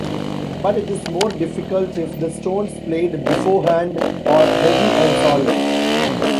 But it is more difficult if the stones played beforehand are heavy and solid.